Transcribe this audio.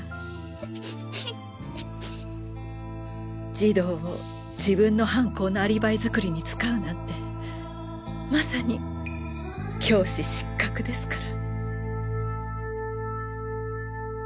児童を自分の犯行のアリバイ作りに使うなんてまさに教師失格ですから。